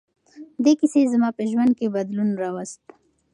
دې کیسې زما په ژوند کې بدلون راوست.